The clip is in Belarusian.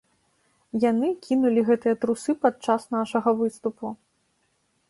Яны кінулі гэтыя трусы падчас нашага выступу.